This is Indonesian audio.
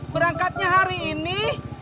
berangkatnya hari ini